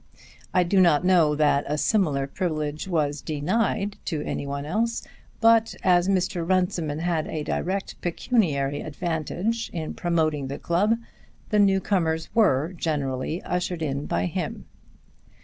I do not know that a similar privilege was denied to any one else; but as Mr. Runciman had a direct pecuniary advantage in promoting the club, the new comers were generally ushered in by him.